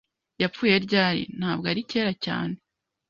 "Yapfuye ryari?" "Ntabwo ari kera cyane.."